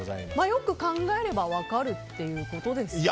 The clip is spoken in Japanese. よく考えれば分かるっていうことですよね。